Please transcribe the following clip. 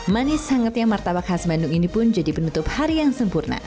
manis sangatnya martabak khas bandung ini pun jadi penutup hari yang sempurna